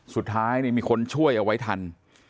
สุดท้ายมีคนช่วยเอาไว้ทัน